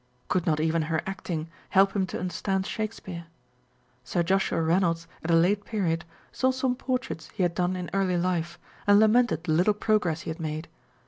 Could not even her acting help him to understand Shakespeare ? Sir Joshua Reynolds at a late period saw some portraits he had done in early life, and lamented the little progress he had made.